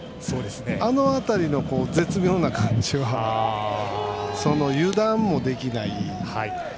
あの辺りの絶妙な感じは油断もできない。